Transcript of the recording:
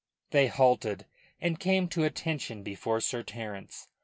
They halted and came to attention before Sir Terence.